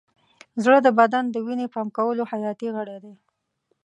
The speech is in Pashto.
زړه د بدن د وینې پمپ کولو حیاتي غړی دی.